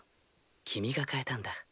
君が変えたんだ。